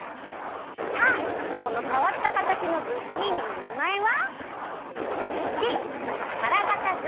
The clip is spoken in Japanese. さあこのかわったかたちのズッキーニのなまえは？